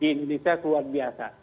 di indonesia luar biasa